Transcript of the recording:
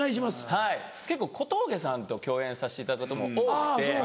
はい結構小峠さんと共演さしていただくことも多くて。